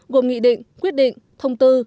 gồm nghị định quyết định thông tư